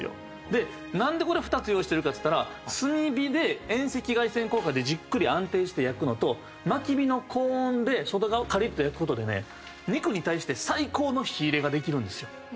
でなんでこれ２つ用意してるかっつったら炭火で遠赤外線効果でじっくり安定して焼くのと薪火の高温で外側をカリッと焼く事でね肉に対して最高の火入れができるんですよ。